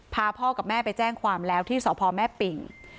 พ่อกับแม่ไปแจ้งความแล้วที่สพแม่ปิ่ง